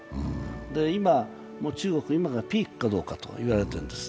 今からピークかどうかと言われているんです。